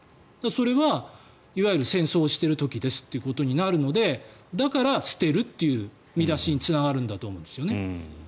それはいわゆる戦争をしている時ですということになるのでだから、捨てるという見出しにつながるんだと思うんですよね。